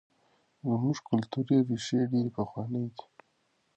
زموږ کلتوري ریښې ډېرې پخوانۍ دي.